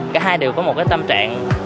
cả hai đều có một cái tâm trạng